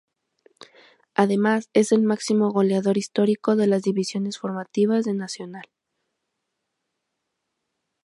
Además es el máximo goleador histórico de las divisiones formativas de Nacional.